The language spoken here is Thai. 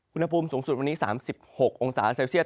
อุณหภูมิสูงสุดวันนี้๓๖องศาเซลเซียส